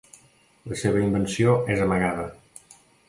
La seva invenció és amagada.